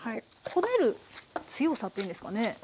こねる強さというんですかね